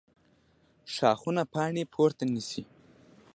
ښاخونه پاڼې پورته نیسي